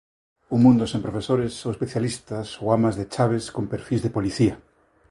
Un mundo sen profesores ou especialistas ou amas de chaves con perfís de policía.